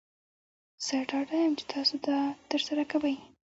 زه ډاډه یم چې تاسو دا ترسره کوئ.